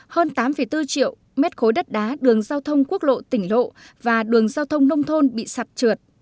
hơn tám bốn triệu mét khối đất đá đường giao thông quốc lộ tỉnh lộ và đường giao thông nông thôn bị sạt trượt